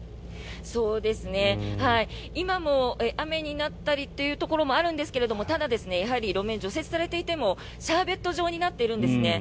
今も雨になったりというところもあるんですがただやはり路面、除雪されていてもシャーベット状になっているんですね。